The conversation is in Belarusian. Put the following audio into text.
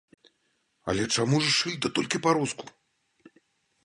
Але чаму ж шыльда толькі па-руску?